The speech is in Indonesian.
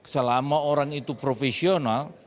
selama orang itu profesional